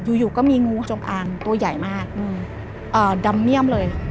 อยู่ก็มีงูจงอางตัวใหญ่มากดำเมี่ยมเลย